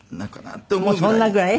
そんなぐらい？